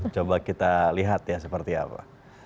coba kita lihat ya seperti apa